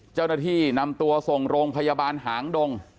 เจ้าหน้าที่นำตัวส่งโรงพยาบาลหางดง